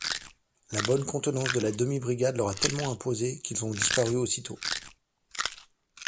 La bonne contenance de la demi-brigade leur a tellement imposé, qu'ils ont disparu aussitôt.